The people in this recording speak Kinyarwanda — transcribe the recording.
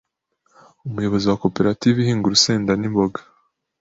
Umuyobozi wa Koperative ihinga urusenda n’imboga